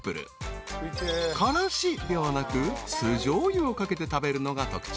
［からしではなく酢じょうゆをかけて食べるのが特徴］